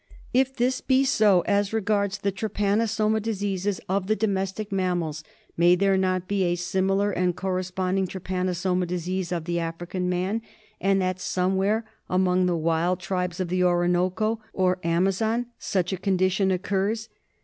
If this be so as regards the trypanosoma diseases of the domestic mammals, may there not be a similar and corresponding trypanosoma disease of the American man, and that somewhere among the wild tribes of the Orinoco or Amazon such a condition occurs